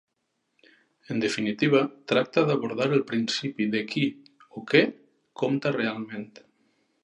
En definitiva, tracta d'abordar el principi de qui o què compta realment.